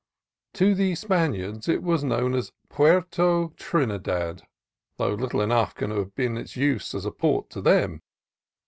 To the Spaniards it was known as Puerto Trinidad, though little enough can have been its use as a port to them.